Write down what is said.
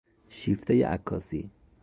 شیفتهی عکاسی